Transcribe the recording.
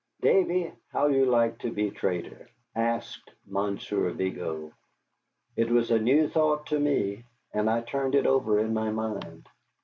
"Davy, how you like to be trader?" asked Monsieur Vigo. It was a new thought to me, and I turned it over in my mind.